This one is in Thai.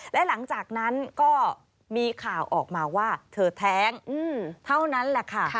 และหลังจากนั้นก็มีข่าวออกมาว่าเธอแท้งเท่านั้นแหละค่ะ